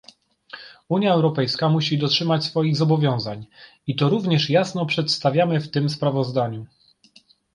Unia Europejska musi dotrzymać swoich zobowiązań, i to również jasno przedstawiamy w tym sprawozdaniu